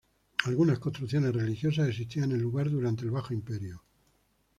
Algunas construcciones religiosas existían en el lugar durante el Bajo Imperio.